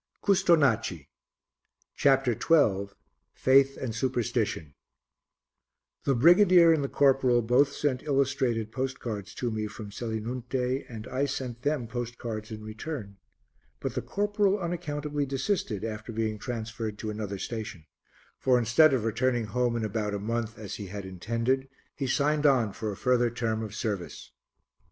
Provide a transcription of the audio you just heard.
CUSTONACI CHAPTER XII FAITH AND SUPERSTITION The brigadier and the corporal both sent illustrated postcards to me from Selinunte and I sent them postcards in return, but the corporal unaccountably desisted after being transferred to another station; for instead of returning home in about a month, as he had intended, he signed on for a further term of service.